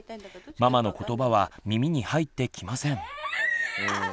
ママのことばは耳に入ってきません。